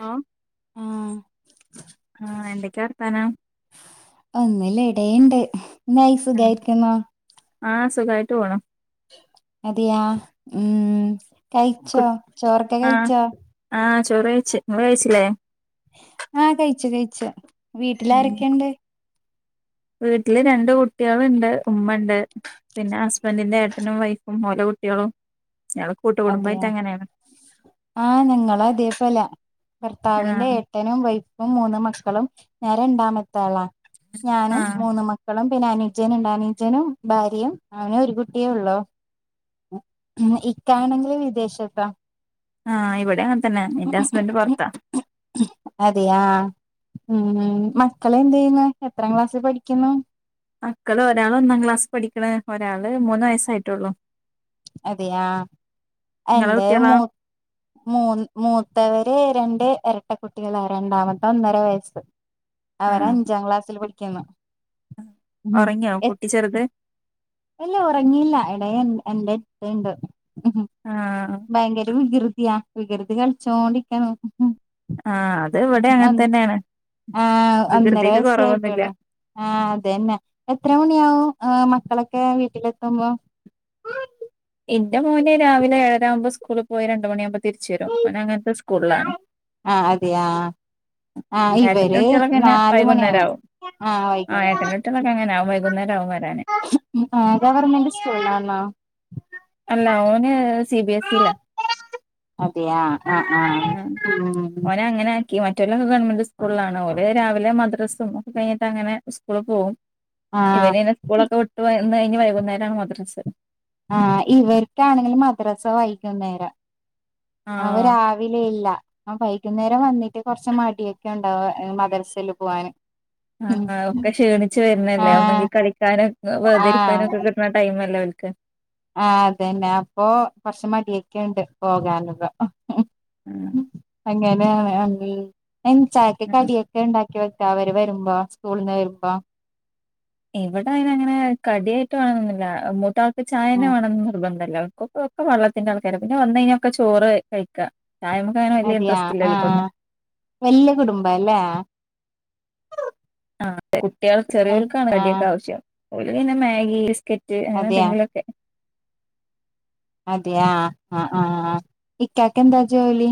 Hello ആഹ് ആഹ എന്തൊക്കാ വർത്താനം ഒന്നല്ല ഇടണ്ട് എന്തായി സുഗായിരിക്കണോ ആഹ സുഖമായിട്ട് പോണം അതെയാ ഉം കു കഴിച്ചോ ചോറൊക്കെ കഴിച്ചോ ഇങ്ങൾ വഴച്ചില്ലേ ആഹ കഴിച്ചു കഴിച്ച ഉം വീട്ടിലാരൊക്കെയുണ്ട് വീട്ടില് രണ്ട് കുട്ടികളുണ്ട് ഉമ്മ ഉണ്ട് പിന്നെ ഹസ്ബൻറിന്റെ ഏട്ടനും വൈഫും ഓലെ കുട്ടികളും ഞങ്ങള് അതെയ കൂട്ടുകുടുംബായിട്ട് അങ്ങനെയാണ് ആഹ ഞങ്ങ അതദേപ്പല്ല ഭർത്താവിന്റെ ആഹ് ഏട്ടനും വൈഫും മൂന്ന് മക്കളും ഞാൻ രണ്ടാമത്തെ ആളാ ഞാനും ആഹ് മൂന്ന് മക്കളും പിന്നെ അനുജ്ജനുണ്ട് അനുജനും ഭാര്യയും അങ്ങനെ ഒരു കുട്ടിയേ ഉള്ളു ഇക്ക ആണെങ്കിൽ വിദേശത്താ ആഹ് ഇവിടെ അങ്ങൻതന്നെ എന്റെ ഹസ്ബൻഡ് പോറത്താ അതെയാ ഉം മക്കള് എന്ത് ചെയ്യുന്നു എത്ര ക്ലാസ്സി പഠിക്കുന്നു മക്കള് ഒരാള് ഒന്നാം ക്ലാസിപഠിക്ക്‌ണ് ഒരാള് മൂന്ന് വയസ്സായിട്ടൊള്ളു അതെയാ ഇങ്ങളെ എന്റെ കുട്ടികളോ മൂ മൂ മൂത്തവര് രണ്ട് എരട്ട കുട്ടികളാ രണ്ടാമത്തെ ഒന്നര വയസ്സ് അവര് അഞ്ചാം ക്ലാസ്സിൽ പഠി ക്ക്‌ന്ന് ഉറങ്ങിയോ കുട്ടി ചെറുത് ഇല്ല ഒറങ്ങിയില്ല ഇട എന്റെ എന്റെട്ത്ത്ണ്ട് ഉം ആഹ് ഭയങ്കര വികൃതിയാ വികൃതി കളിച്ചോണ്ടിരിക്കാണ് ആഹ് അത് ഇവിടെ അങ്ങനെ തന്നെയാണ് ആ ഒന്നര വികൃതിയൊക്കെ വയസേ കൊറവൊന്നുല്ല ആയിട്ടോള്ളൂ ആ അതന്നെ എത്ര മണിയാവും മക്ക ക്കള് ഒക്കെ വീട്ടിലെത്തുമ്പോ എന്റെ മോന് രാവിലെ ഏഴര ആകുമ്പോ സ്കൂളി പോയി രണ്ട് മണിയാവുമ്പോ തിരിച്ച് വരും ഓന് അങ്ങനത്തെ സ്കൂളിലാണ് ആ അതെയ ആ ഏട്ടന്റെ ഇവര് കുട്ടികളൊക്കെന്നെ നാലുമണിയാണ് വൈകുന്നേരാവും ആ വൈകുനേരം ഏട്ടന്റെ കുട്ടികളൊക്കെ അങ്ങനാവും വൈകുന്നേരാവും വരാന് ആ ഗവർമെന്റ് സ്കൂളിലാന്നൊ അല്ല ഓന് സി ബി എസി ലാ അതെയാ ആഹ് ആഹ് ഉം മറ്റൊലൊക്കെ ഗവൺമെന്റ് സ്കൂളിലാണ് ഓല് രാവിലെ മദ്രസും ഒക്കെ കഴിഞ്ഞട്ട് അങ്ങനെ സ്കൂളില് പോവും ആ ഇവന്നെ സ്കൂളൊക്കെ വിട്ടു വ ഇന്ന് കഴിഞ് വൈകുന്നേരാണ് മദ്രസ് ആ ഇവർക്കാണെങ്കിലും മദ്രസ വൈകുന്നേര അ അവ ആഹ് രാവിലെ ഇല്ല ആ വൈകുന്നേരം വന്നിട്ട് കൊറച്ച് മടിയൊക്കെ ഉണ്ടാവ മദ്രസിൽ പോവാന് ആ ഒക്കെ ക്ഷീണിച്ച് ആ വരുന്നല്ലേ ഒന്നെങ്കിൽ കളിക്കാനും ആ വെറുതെരിക്കാനും ഒക്കെ കിട്ടുന്ന ടൈം അല്ലേ ഓൽ ക്ക്‌ ആ അതന്നെ അപ്പൊ കൊറച്ച് മടിയൊക്കെഒണ്ട് പോകാനൊള്ള ആ ഇങ്ങനെയാണ് അങ്കിൾ മെഞ്ചായക്ക്‌ ആഹ് കടിയൊക്കെ ഉണ്ടാക്കി വ അവര് വരുമ്പോ സ്കൂളിന്ന് വരുമ്പോ ഇവ്ടെ അയ്നങ്ങനെ കടിയായിട്ട് വാണന്നില്ല മൂത്ത ചായന്നെ ഉം വാണന്ന് നിർബന്ധ എല്ലാർക്കൊക്ക ഒക്കെ വള്ളത്തിന്റെ ആൾക്കാര പിന്നെ വന്ന് കിഞാക്കെ ചോറ് കഴിക്കാ ചായമ്മക്കങ്ങനെ വല്യ അതെയാ ഇൻട്രസ്റ്റ് ഇല്ലോൽക്കൊന്നും. ആഹ് വല്യ കുടുംബലെ ആഹ് അതെ കു കുട്ടികൾ ചെറിയൽക്കാണ് അടിയൊെ ആഹ് ആവശ്യം ഉൾന്ന മ്യഗി ഇ കെറ്റ് അങ്ങനെ അതെയാ എന്തെങ്കിലുംൊക്കെ അതെയ ആ് ആഹ് ഇക്കക്ക എന്താ ജോലി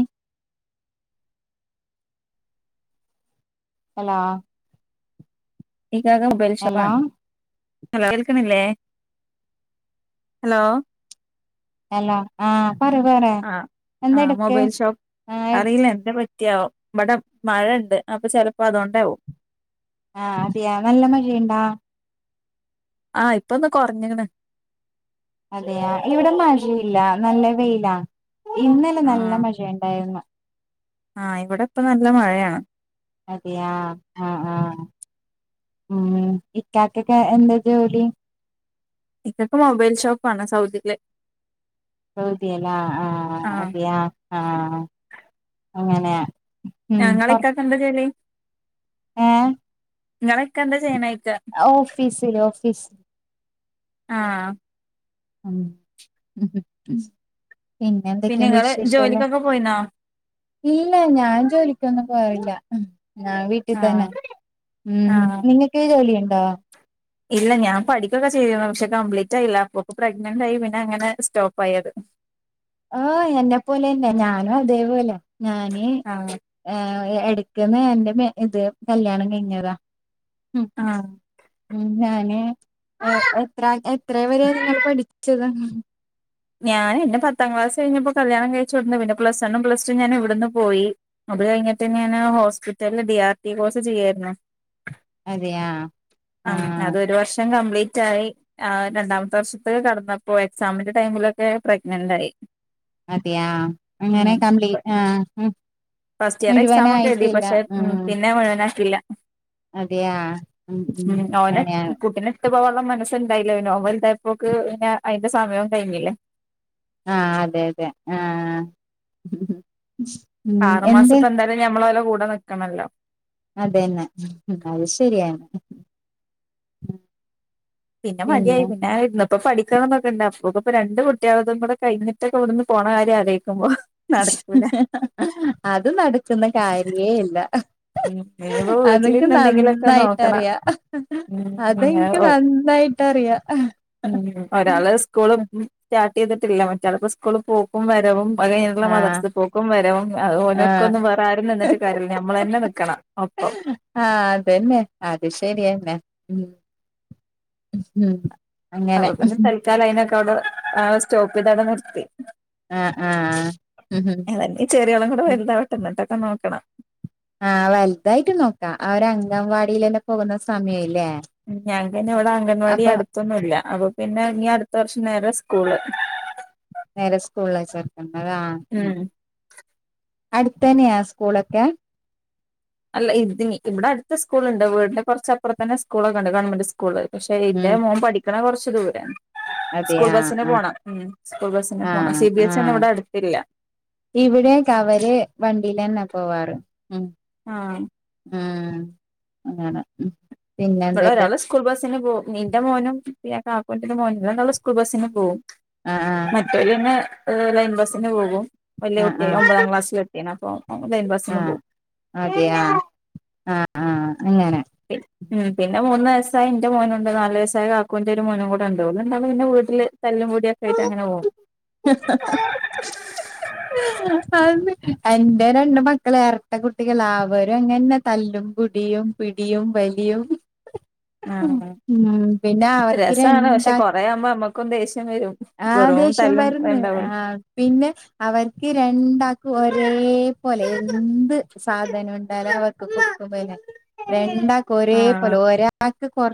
അല ഈഗ ബൽഷവാൻ ഹലോൽക്കല്ലേ ഹലോ അല്ലോ ആഹ പറ പറ ആഹ് എന്താ ആഹ് എടക്ക് ആ കൃത്യാവും ഇവിടെ മഴുണ്ട് അപ്പൊ ചെിലപ്പോ അതുകൊണ്ടാവവും ആഹ അതെയാ നല്ല മഴയുണ്ടാ ആഹ് ഇപ്പൊന്ന് കുറഞ്ഞിണ് അതെയ ഇവിടെ മാഴയില്ല നല്ല വെയിലാ ഇന്നലെ നല്ല മഴ ഉണ്ടായിരുന്നു ആഹ ഇവിടെ ഇപ്പ നല്ല മഴയാണ് അതെയ ആഹ ആഹ ഉ ഇറ്റത്തൊക്കെ എന്താ ജോലി എക്കക്കെ മൊബൈൽ ഷോപ്പ് വണ സൗദല്ലേ ൗതിയല്ല ആഹ ആഹ് അതിയാ ആഹ അങ്ങനെ ഞങ്ങള ഇക്കക്കണ്ട ജോലി ആഏ നിങ്ങളൊക്കെ എന്താ ചെയ്യാനായി് ഓഫീസ്ില് ഓഫീസ് ആഹ ഉ ഉ ഉ പിന്നെ എന്തൊക്കെയന്റെ ഇങ്ങള് വിശേഷല്ലേ ജോലിക്കൊക്കെ പോയിന്നോ ഇല്ല ഞാൻ ജോലിക്കൊന്നും പോല്ല ആ വീട്ടിൽ തന്നെ ആഹ് ഉ ആഹ് നിങ്ങക്ക് ജോലിയ ഉണ്ട് ആ ഇല്ല ഞാൻ പഠിക്കൊക്കെ ചെയ്രുന്നു പക്ഷെ കംപ്ലീറ്റ് ആയില്ല അപ്പപ്പ പ്രഗ്നന്റ് ആയി പിന്നെ അങ്ങനെ സ്റ്റോപ്പ് ആയത് ആഹ് എന്നെ പോലെന്നെ ഞാനും അതേപോലെ ഞാന് ആഹ് ഏഹ എടുക്കുന്ന എന്റെ ഇത് കല്യാണം കഴിഞ്ഞിയതാ ഉം ആഹ് ഉം ഞാന് എത്ര എത്രയ വരെയ നിങ്ങൾ പഠിച്ചത് ഞാൻിെ പത്താം ക്ലാസ് കഴിഞ്ഞപ്പോ കല്യാണം കഴിച്ചുോടന്ന് പിന്നെ പ്ലസ് വണ്ണും പ്ലസ ടു ഞാൻ ഇവിടുന്ന് പോയി അത് കഴിഞ്ഞിട്ട് ഞാാന് ഹോസ്പിറ്റല ഡി ആർ ടി കോഴ്സ് ചെയ്യായിരുന്നു അതെയാ ആ ആഹ് അത്രു വർഷം കംപ്ലീറ്റ് റ്റായി അവൻ രണ്ടാമത്തെ വർഷത്ക്ക് കടന്നപ്പോ എക്സാമിന്റെ ടൈമിലൊക്കെ പ്രെഗ്നന്റ് ആയി അതെ യാ അങ്ങനെ ഉം കംപ്ലീറ്റ് ആ ഹും ഫസ്റ്റ് ഇയർ എക്സാം ഒക്കെ എഴുതി പക്ഷെ ഉം പിന്നെ മുഴുവനാക്കില്ല അതെയാ [unintelligible] ഉം ഓനെ കുട്ടിനെ ഇട്ട് പോവാള്ള മനസ് ണ്ടായില്ലാ പിന്നെ ഓൻ വൽതായപ്പോക്ക് പിന്നെ അയിന്റെ സമയവും കഴിഞ്ഞില്ലേ ആഹ് അതെ അതെ ആഹ് ഉം ആറു എന്ത് മാസപ്പന്തായാലും ഞമ്മളോലെ കൂടെ നിക്കണല്ലോ അതെന്നെ അത് ശരിയാണ്. [inaudible] പിന്നെ മതിയായി പിന്നെ [unintelligible] ഇപ്പൊ പഠിക്കണംന്നൊക്കെണ്ട ഇപ്പൊ പഠിക്കണംന്നൊക്കെണ്ട് അപ്പോക്കും ഇപ്പ രണ്ട് കുട്ടികൾതും കൂടെ കഴിഞ്ഞിട്ട് ഒക്കെവിടുന്ന് പോണ കാര്യം ആലോയിക്കുമ്പോ നടക്കൂല അത് നടക്കുന്ന കാര്യേ അല്ല. ഉം ഇനിയിപ്പോ അതെക്കെ വീട്ടിലിരുന്ന് എന്തെങ്കിലുമൊക്കെ നോക്കണം നന്നായിട്ടറിയാ അത്ൻക്ക് ഉം നന്നായിട്ടറിയ. ഉം ഒരാള് സ്കൂള് സ്റ്റാർട്ട് ചെയ്തിട്ടില്ല മറ്റാൾക്ക് സ്കൂള് പോക്കും വരവും അപ്പത് കൈഞ്ഞ്ള്ള ആഹ് മദ്രസ് പോക്കും വരവും ഒനൊക്ക ആഹ് ഒന്നും വേറെ ആരും നിന്നിട്ട് കാര്യല്ല ഞമ്മള് തന്നെ ആഹ് അതെന്നെ അതെ ശരിയന്നെ. ഉം ഉം അപ്പൊ അങ്ങനെ പിന്നെ തൽക്കാല അയിനൊക്കെ അവിടെ സ്റ്റോപ്പ് ചെയ്താണ്ട് നിർ ത്തി ആഹ് ആഹ് ഏതാലുഞ് ചെറിയോളും കൂടെ വല്താവട്ടെ ഇന്നട്ടൊ ക്കെ നോക്കണം. ആഹ് വല്തായിട്ട് നോക്കാ അവര് അംഗൻവാടിയിലെല്ലാം പോകുന്ന സമയല്ലേ. ഉ ഞങ്ങക്കയ്ന ഇവിടെ അംഗൻവാടി അപ്പൊ അടുത്തൊന്നും ഇല്ല. അപ്പം പിന്നെ ഇനി അടുത്ത വർഷം നേരെ സ്കൂള് നേരെ സ്കൂളില് ചേർത്തണലാ ഉം അടുത്തന്നെയാ സ്കൂളൊക്കെ അല്ല ഇതിന് ഇവിടെ അടുത്ത സ്കൂള്ണ്ട് വീടിന്റെ കുറച്ചപ്പുറത്തന്നെ സ്കൂളൊക്ക ഉണ്ട് ഗവൺമെന്റ് സ്കൂള്. പക്ഷെ ഇന്റെ മോൻ പഠി ക്ക്ണത് കുറച്ച് ദൂരെ സ്കൂൾ അതെയാ ബസ്സിന് ആ പോണം ഉം സ്കൂൾ ബസ്സിന് പോണം ആഹ് സി ബി എസ് ഇ ഒന്നും ആഹ് ഇവിടെ അടുത്തില്ല ഇവിടെക്കെ അവര് വണ്ടിലന്നെ പോവാറ്. ഉം ആഹ് ഉം അതെതെ മ് ബടാ ഒരാള് സ്കൂൾ ബസ്സിന് പോവും നിന്റെ മോനും പിന്നെ കാക്കുന്റെഒരു മോനും ഇവരണ്ടാളും സ്കൂൾ ബസ്സിന് പോവും ആഹ് മറ്റോലന്നെ ഏഹ് ലൈൻ ബസിന് പോകും വല്യ ആഹ് കുട്ട്യായി ആഹ് ഒമ്പതാംക്ലാസില് എത്തിയേനെ [unintelligible] ആഹ് അതെയ ആഹ് ആഹ് അങ്ങനെ ഉം പിന്നെ മൂന്ന് വയസായ ഇൻ്റെ മോനുണ്ട് നാല് വയസായ കാക്കൂന്റെ ഒരു മോനും കൂടെണ്ട്. ഓല്ണ്ടാവും പിന്നെ വീട്ടില് തല്ലും പൊടിയക്കായിട്ട് അങ്ങനെ പോകും. [unintelligible] ആന്ന് എന്റെ, രണ്ട്, മക്കൾ, ഇരട്ട, കുട്ടികള, അവരും, അങ്ങനന്നെ, തല്ലും, പിടിയും, പിടിയും, വലിയും. ആഹ് ഉം, പിന്നെ, അവർക്, രസാണ് പക്ഷെ രണ്ടാൾക്കും, കൊറേ ആകുമ്പോ നമ്മക്കും ദേഷ്യം വരും ആ, വെറും ദേഷം, തല്ലും വന്ന്, ആ, ഉണ്ടാവുള്ളൂ പിന്നെ, അവർക്ക് രണ്ടാക്ക, ഒരേ, പോലെ, എന്ത്, സാധന, ഉണ്ടാലും, അവർക്ക് കൊക്ക ഒരേ പോലെ ആഹ് ഒരാൾക്ക് കൊറ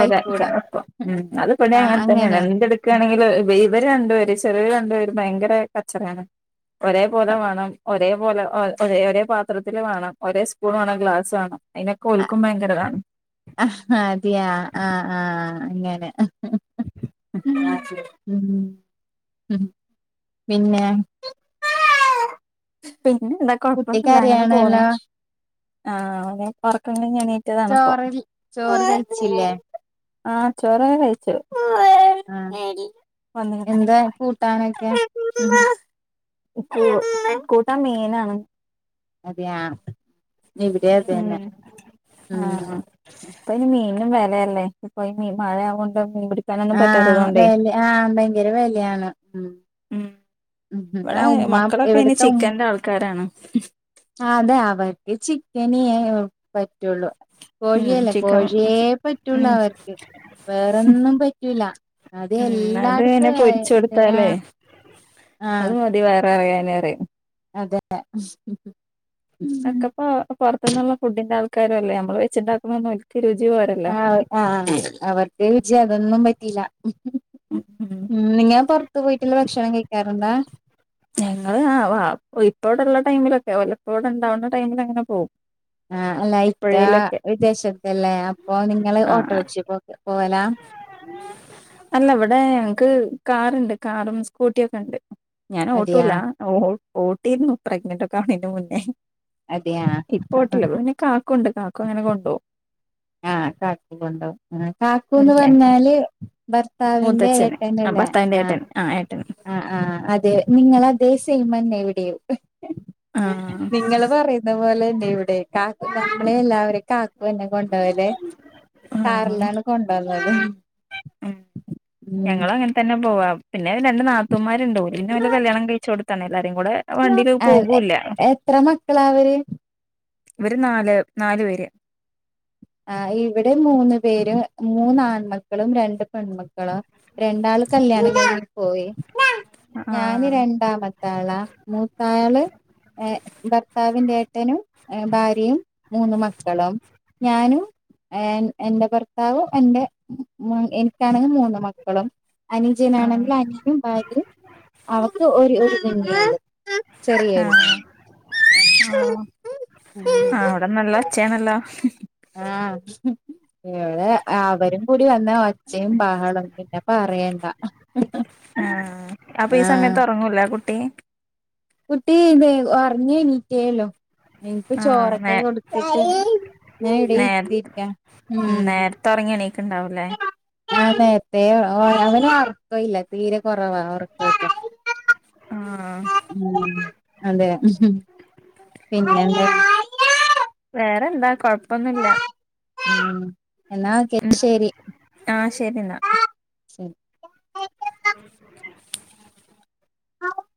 ഒരാ ആയിക്കൂടാ ചപ്പം ഉം അത് പിന്നെ ആ അങ്ങൻ തന്നെയാണ് അങ്ങനെയാ എന്തെടുക്കാണെങ്കിലും [unintelligible] ച രണ്ടു, പേര്, ചെറിയൊരു, രണ്ടുപേര്, ഭയങ്കര, കച്ചറിയാണ്, ഒരേപോലെ, വേണം, ഒരേപലെ, ഒ ഒരേ പാത്രത്തിൽ, വേണം, ഒരേ, സ്പൂൺ, വേണം, ഗ്ലാസ്, വേണം. അയ്‌നക്കോൽക്കും ഭയങ്കരതാണ് ആഹ് അതയാ ആഹ് ആഹ് അങ്ങനെ ആഹ് ശരി ഉം ഉം പിന്നെ ഉം പിന്നെ എന്താ കുട്ടി കൊഴപ്പന്നുല്ല അങ്ങനെ പോണ് കരയാണല്ലോ ആഹ്, അനെ, പർക്ക ചോറരി ചോറ് കഴിച്ചില്ലേ? ആഹ് ചോറെ കഴിച്ചു ആഹ് വന്ന്ക്ക്ണ് എന്താ കൂട്ടാനൊക്കെ ഉം ക, കൂട്ടൻ, മീൻ, ആണ്. അതെയാ ഇവിടെേതന്നെ ഉം ഉം ന്നും വെലയല്ലേ [unintelligible] മഴ ആവോണ്ട് മീൻ പിടി ആഹ് വെല ആഹ് ഭയങ്കര വെലയാണ് ഉം ഉം ഉം ഇവിടെ ആഹ് ഉമ്മ മക്കളൊക്കെ ഇനി ഇവട്ത്തെ ഉ ചിക്കന്റെ ആൾക്കാരാണ് അതെ അവർക്ക് ചിക്കനേ പറ്റുള്ളു ഉം കോഴിയല്ല ചിക്കൻ കോഴിയേ പറ്റുള്ള ഉം അവർക്ക് വേറൊന്നും പറ്റൂല അത് ഉം അത് ഇങ്ങനെ എല്ലായിടത്തും ആ, പൊരിച്ച ഇത് ആഹ് കൊടുത്താലേ അത് മതിവ- നെറയാനേറെ അതന്ന് അക്കപ്പൊ പുറത്തുന്നുള്ള ഫുഡിന്റെ ആൾക്ക ആക്കാരല്ലേ നമ്മള് വെച്ചുണ്ടാക്കുന്നൊന്നുമവര്- ആ ആ അവർക്ക് രുജിയ അതൊന്നും പറ്റില്ല ഉം ഉം ഉ നിങ്ങ പൊറത്ത് പോയിട്ടുള്ള ഭക്ഷണം കഴിക്കാറുണ്ടാ ഞങ്ങള് ആ വ ഇപ്പോടെള്ള ടൈമിലൊക്കെ വല്ലപ്പോടെ ഉണ്ടാവുന്ന ടൈമിൽ അങ്ങനെ പോകും ആ അല്ല ഇക്ക വിദേശത്തല്ലേ അപ്പൊ നിങ്ങള് ഓട്ടോ ടിച്ചു പോ- അല്ലവിടെ ക്ക്കാറുണ്ട് കാറും സ്കൂട്ടിയ ഒക്കെ ഉണ്ട് ഞാന അതെയാ ഓട്ടൂല്ല ഓട്ടിരുന്നു പ്രഗ്നന്റ് ഒക്കെ ആന് മുന്നേ അതെയാ ഇപ്പോട്ടില്ല പിന്നെ കാക്കണ്ട് കാക്കും അങ്ങനെ കൊണ്ടുപോ ആഹ് കാക്കണ്ടാവ ആ ഉം കാക്കുന്ന് ഞാൻ പറഞ്ഞാല് ഭർത്താവിന്റെ മൂത്തച്ഛന് ആ ഏട്ടന്നല്ല ഭർത്താവിന്റെ ആ ഏട്ടന് ഏട്ടന് ആ ആ അതെ നിങ്ങത സൽമൻ എവിടെയോ ആ നിങ്ങള് പറയുന്ന പോലെ എവിടെ കാക്കു നമ്മളെ എല്ലാവരും കാക്കുന്നെ ോല്ലേ ആഹ് കാറിലാണ് കൊണ്ടപ ത [unintelligible] ഞങ്ങ അങ്ങനെ തന്നെ പോവാ പിന്നെ രണ്ട് നാത്തൂന്മാ ഉണ്ടന്നല്ല കല്ണം കഴിച്ച കൊടു തണല്ല എത്ര മക്കള അവര് ഇവര് നാല് നാാലു പേര് ആ ഇവിടെ മൂന്ന് പേര് മൂന്നാ പെ മക്കളും രണ്ട് പെൺമുക്കും മള രണ്ടാള് കല്യാണ ക പോയി ഞാന് ആഹ് രണ്ടാമത്താളാ മൂത്താള് ഭർത്താവിന്റെ ത്തനും ഭാര്യയും മൂന്ന് മക്കളും ഞാനും എന്റെ ഭർത്താവും എറെ എനിക്കാണെങ്കിൽ മൂന്ന് മക്കളും ആഹ് അനുജനാണെങ്കിൽ അനനും ഭാര്യയും അവക്ക് ഒരു എ ആഹ ആ ആ കുഞ്ഞ്. അവിടെന്നല്ല അച്ചയനല്ല ആടെ അവരും എടി വന്ന ഒച്ചയും ബാഹളും പിന്നെപ്പ അയണ്ട ആഹ് അപ്പൊ ഈ ആഹ സമയത്ത് ഉറങ്ങൂല കുട്ടി കുട്ടി ഇ പറഞ്ഞേ നീറ്റല്ലോ ഇനിപ്പ ആഹ് ചോറൊക്കെ നേ കൊടുത്ത ഞൻ ഇവിടെ നേര ഇത്തിരിക്ക ഉണ്ടാവൂലേ ആ നേരത്തെ അവന് ഉറക്ക ഇല്ല തീരെ കുറവാ ഉറക്കൊക്കെ ആഹ് ഉം അതെ പിന്നെന്താ വേറെ എന്താ കൊഴപ്പൊന്നുമില്ല ആം എന്നാക്കെ ശരി ആഹ് ശരി ശരി [unintelligible] ഉ [unintelligible] ആഹ [unintelligible]